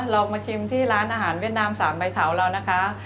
เรามาชิมที่ร้านอาหารเวียดนาม๓ใบเถาเรานะคะ